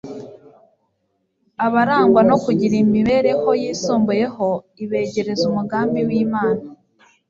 abarangwa no kugira imibereho yisumbuyeho ibegereza umugambi w'imana